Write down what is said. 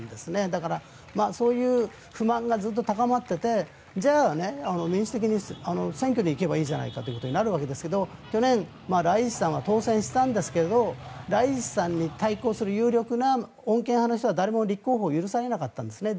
だからそういう不満がずっと高まっていてじゃあ、民主的に選挙で行けばいいじゃないかということになるわけですが去年、ライシさんは当選したんですけどライシさんに対抗する有力な穏健派の人は誰も立候補を許されなかったんですね。